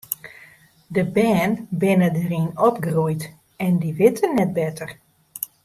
De bern binne dêryn opgroeid en dy witte net better.